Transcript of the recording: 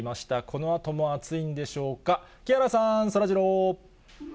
このあとも暑いんでしょうか、木原さん、そらジロー。